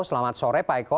selamat sore pak eko